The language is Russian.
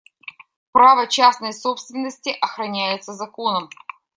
Право частной собственности охраняется законом.